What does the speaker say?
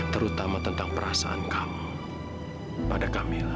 terutama tentang perasaan kamu pada kamila